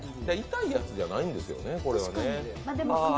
痛いやつじゃないんでしょうね、これは。